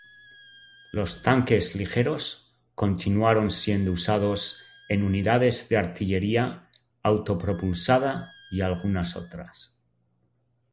Los tanques ligeros continuaron siendo usados en unidades de artillería autopropulsada y algunas otras.